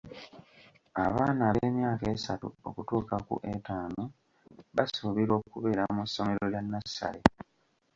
Abaana ab'emyaka esatu okutuuka ku etaano basuubirwa okubeera mu ssomero lya nassale.